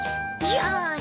よし！